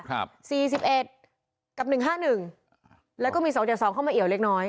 ตัวนี้มีที่๑๑กับ๑๕๑แล้วก็มี๒๒๒เข้ามาเหี่ยวเล็กน้อย